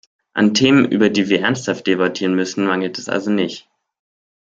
An Themen, über die wir ernsthaft debattieren müssen, mangelt es also nicht.